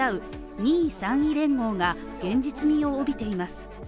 ２位３位連合が現実味を帯びています。